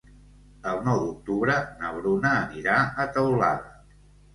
El nou d'octubre na Bruna anirà a Teulada.